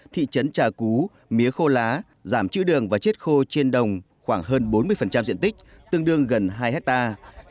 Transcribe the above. thị trấn trà cú mía khô lá giảm chữ đường và chết khô trên đồng khoảng hơn bốn mươi diện tích tương đương gần hai hectare